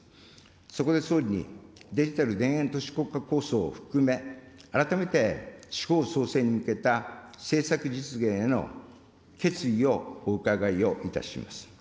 そこで総理に、デジタル田園都市国家構想を含め、改めて地方創生に向けた政策実現への決意をお伺いをいたします。